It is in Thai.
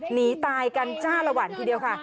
หนีตายกันจ้าละวันทีเดียวค่ะ